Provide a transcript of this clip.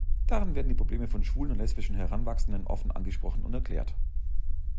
Darin werden die Probleme von schwulen und lesbischen Heranwachsenden offen angesprochen und erklärt.